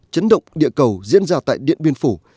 chấn động địa cầu diễn ra tại điện biên phủ